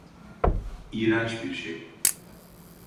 İğrenç bir şey.